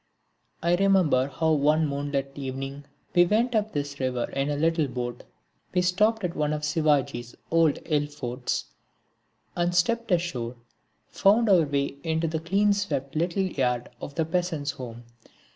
I remember how one moonlit evening we went up this river in a little boat. We stopped at one of Shivaji's old hill forts, and stepping ashore found our way into the clean swept little yard of a peasant's home.